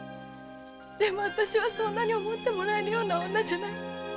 でも私はそんなに思ってもらえるような女じゃない。